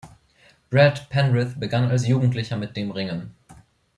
Brad Penrith begann als Jugendlicher mit dem Ringen.